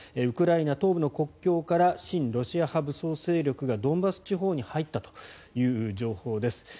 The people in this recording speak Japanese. ウクライナ東部の国境から親ロシア派武装勢力がドンバス地方に入ったという情報です。